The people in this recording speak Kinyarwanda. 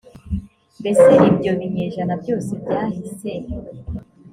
mbese ibyo binyejana byose byahise